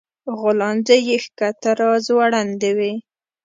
غولانځې يې ښکته راځوړندې وې